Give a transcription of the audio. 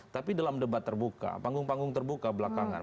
tapi dalam debat terbuka panggung panggung terbuka belakangan